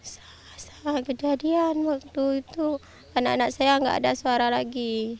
saat kejadian waktu itu anak anak saya nggak ada suara lagi